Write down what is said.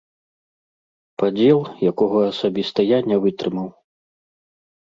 Падзел, якога асабіста я не вытрымаў.